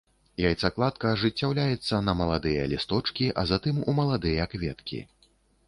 Яйцакладка ажыццяўляецца на маладыя лісточкі, а затым у маладыя кветкі.